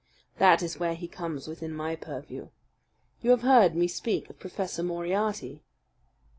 That is where he comes within my purview. You have heard me speak of Professor Moriarty?"